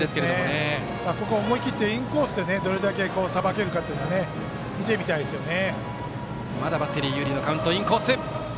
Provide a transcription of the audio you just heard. ここは思い切ってインコースで、どれだけさばけるかというのは見てみたいですよね。